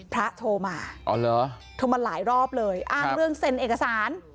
โทรมาอ๋อเหรอโทรมาหลายรอบเลยอ้างเรื่องเซ็นเอกสาร